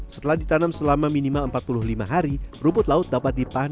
setelah ditanam selama minimal empat puluh lima hari rumput laut dapat dipanen